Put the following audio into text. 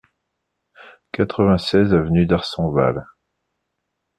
quatre-vingt-seize avenue d'Arsonval